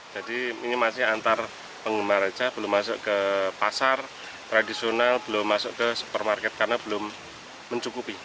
jadi ini masih antar penggemar aja belum masuk ke pasar tradisional belum masuk ke supermarket karena belum mencukupi